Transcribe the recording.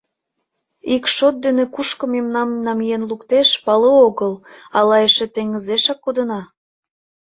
Ик шот дене кушко мемнам намиен луктеш — пале огыл, ала эше теҥызешак кодына?